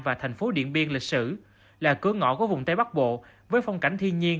và thành phố điện biên lịch sử là cửa ngõ của vùng tây bắc bộ với phong cảnh thiên nhiên